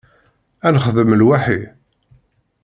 Ad nexdem lwaḥi.